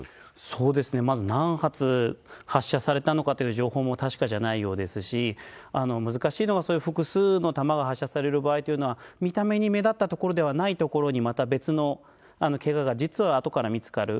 そうですね、まず何発発射されたのかという情報も確かじゃないようですし、難しいのは、複数の弾が発射される場合というのは、見た目に目だった所ではない所に、また別のけがが実は後から見つかる。